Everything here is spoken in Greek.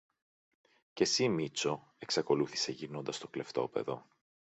Και συ, Μήτσο, εξακολούθησε γυρνώντας στο κλεφτόπαιδο